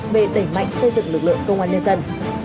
về đẩy mạnh xây dựng lực lượng công an nhân dân